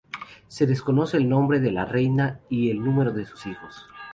Se desconoce el nombre de la reina y el número de sus hijos.